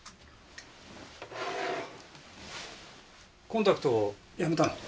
コンタクトやめたの？